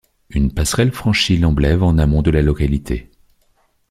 Une passerelle franchit l'Amblève en amont de la localité.